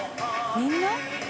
みんな？